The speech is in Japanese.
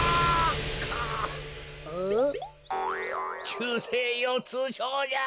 きゅうせいようつうしょうじゃ。